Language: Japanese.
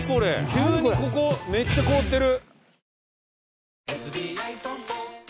急にここめっちゃ凍ってる。